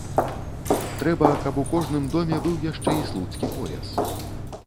Трэба, каб у кожным доме быў яшчэ і слуцкі пояс.